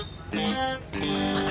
serius ga bercanda